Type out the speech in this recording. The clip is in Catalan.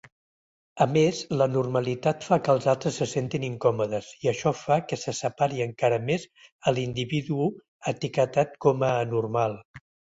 A més, l'anormalitat fa que els altres se sentin incòmodes, i això fa que se separi encara més a l'individu etiquetat com a anormal.